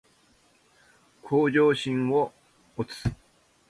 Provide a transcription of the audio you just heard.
向上心を持つ